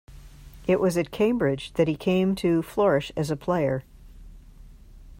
It was at Cambridge that he came to flourish as a player.